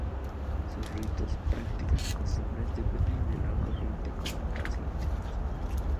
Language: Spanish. Sus ritos, prácticas y costumbres dependen de la corriente con la cual se identifique.